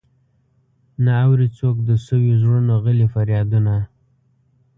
نه اوري څوک د سويو زړونو غلي فريادونه.